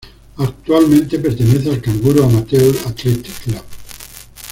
Actualmente pertenece al Canguro Amateur Athletic Club.